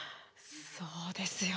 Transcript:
そうですよね。